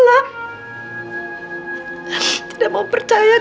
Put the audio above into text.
tidak mau percaya kalau kamu masih hidup sayang